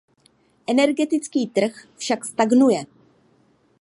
Energetický trh však stagnuje.